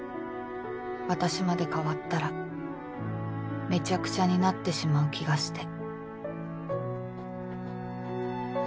私まで変わったらめちゃくちゃになってしまう気がして